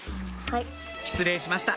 失礼しました！